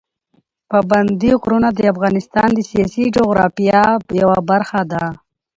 پابندي غرونه د افغانستان د سیاسي جغرافیه یوه برخه ده.